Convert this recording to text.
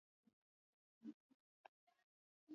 Brazil ambayo ndio tayari inapita ndani ya